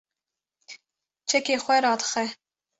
çekê xwe radixe